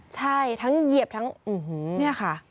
ใช่ทั้งเหยียบทั้งอื้อหูนี่ค่ะ